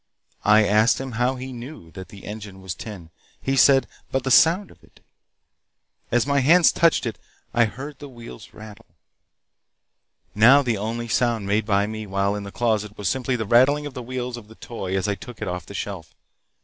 I asked him how he knew that the engine was tin. He said: 'By the sound of it.' As my hands touched it I heard the wheels rattle. Now the only sound made by me while in the closet was simply the rattling of the wheels of the toy as I took it off the shelf.